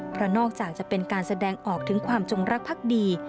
เพราะนอกจากจะเป็นการแสดงออกถึงความจงรักภักดี